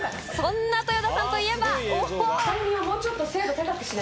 そんな豊田さんといえば。